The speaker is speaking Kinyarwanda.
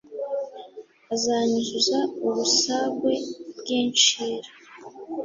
azanyunyuza ubusagwe bw’incira,